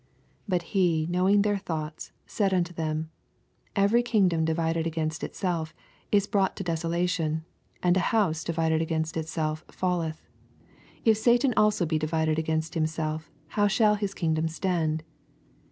17 But he, knowing their thoughts, said unto them, Every kingdom di vided against itself is brought to des olation ; and a house divided against a house falleth. 18 If Satan also be divided against himself, how shall his kingdom stand